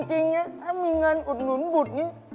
จริงถ้ามีเงินอุดหนุนบุตรนี้